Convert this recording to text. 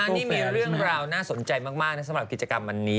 อันนี้มีเรื่องราวน่าสนใจมากสำหรับกิจกรรมวันนี้